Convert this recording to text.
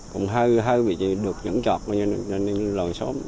cũng hơi bị được nhẫn chọc cho đồng xóm